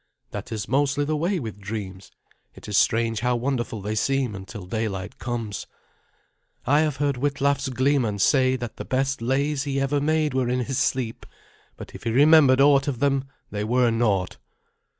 "That is mostly the way with dreams. It is strange how wonderful they seem until daylight comes. I have heard Witlaf's gleeman say that the best lays he ever made were in his sleep; but if he remembered aught of them, they were naught."